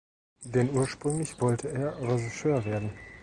Denn ursprünglich wollte er Regisseur werden.